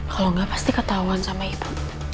kalau gak pasti ketauan sama ibu